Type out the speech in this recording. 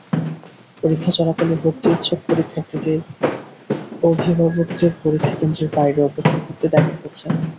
পরীক্ষা চলাকালে ভর্তি ইচ্ছুক শিক্ষার্থীদের অভিভাবকদের পরীক্ষাকেন্দ্রের বাইরে অপেক্ষা করতে দেখা গেছে।